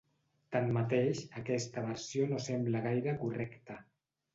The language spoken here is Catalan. Tanmateix, aquesta versió no sembla gaire correcta.